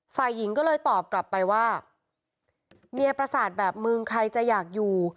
ฝ่ายหญิงก็เลยตอบกลับไปว่าเมียประสาทแบบมึงใครจะอยากอยู่